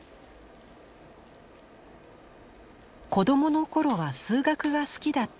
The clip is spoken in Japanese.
子供の頃は数学が好きだった織田さん。